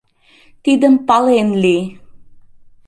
Тидым пален лий!